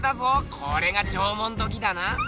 これが縄文土器だな？